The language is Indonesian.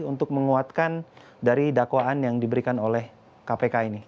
untuk menguatkan dari dakwaan yang diberikan oleh kpk ini